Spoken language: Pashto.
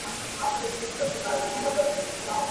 راته غوږ ونیسه دوسته زه جوهر د دې جهان یم.